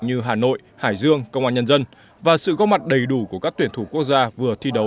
như hà nội hải dương công an nhân dân và sự góp mặt đầy đủ của các tuyển thủ quốc gia vừa thi đấu